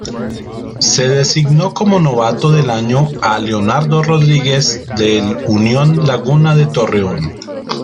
Se designó como novato del año a Leonardo Rodríguez del Unión Laguna de Torreón.